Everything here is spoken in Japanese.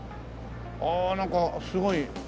ああなんかすごい。